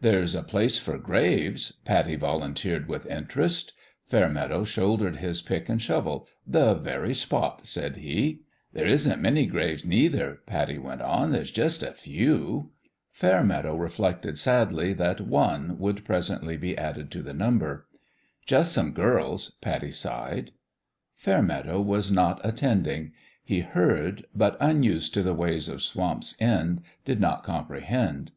"There's a place for graves," Pattie volun teered, with interest. Fairmeadow shouldered his pick and shovel. " The very spot 1 " said he. "There isn't many graves, neither," Pattie went on ; "there's jus' a few." Fairmeadow reflected sadly that one would presently be added to the number. PICK AND SHOVEL 47 "Jos' some girls," Pattie sighed. Fcdnnt:^di"^ TTE^S r.ot airsndin^'; h^ heard but, unused to the wavs of Stamp's End, did not comprehend.